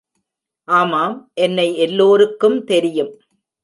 ஆமாம், என்னை எல்லோருக்கும் தெரியும்.